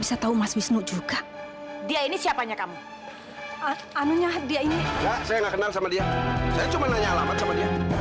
sampai jumpa di video selanjutnya